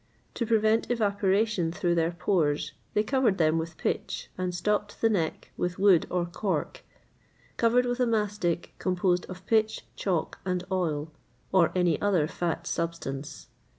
[XXVIII 84] To prevent evaporation through their pores, they covered them with pitch, and stopped the neck with wood or cork, covered with a mastic composed of pitch, chalk, and oil, or any other fat substance.